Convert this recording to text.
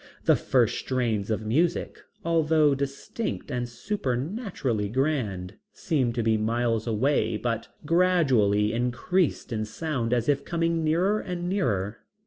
The first strains of music, although distinct and supernaturally grand, seemed to be miles away but gradually increased in sound as if coming nearer and nearer.